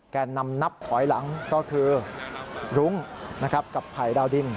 แก่นำนับถอยหลังก็คือหลุ้งกับไผ่ดาวดิน